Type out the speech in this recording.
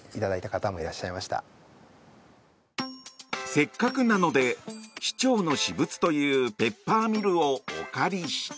せっかくなので市長の私物というペッパーミルをお借りして。